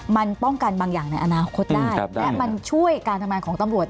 มันป้องกันบางอย่างในอนาคตได้และมันช่วยการทำงานของตำรวจ